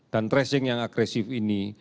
dan tracing yang agresif ini